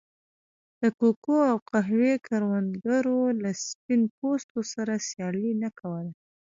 د کوکو او قهوې کروندګرو له سپین پوستو سره سیالي نه کوله.